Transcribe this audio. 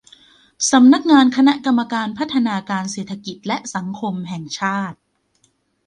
สำนักงานคณะกรรมการพัฒนาการเศรษฐกิจและสังคมแห่งชาติ